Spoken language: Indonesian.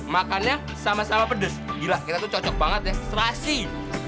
makannya sama sama pedes gila kita tuh cocok banget ya serasi